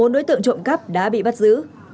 bốn đối tượng trộm cắp đã bị bắt giữ